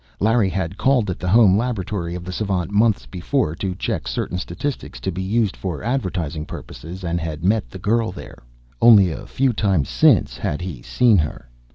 Larry had called at the home laboratory of the savant, months before, to check certain statistics to be used for advertising purposes and had met the girl there. Only a few times since had he seen her.